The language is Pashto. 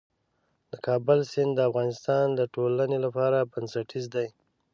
د کابل سیند د افغانستان د ټولنې لپاره بنسټيز دی.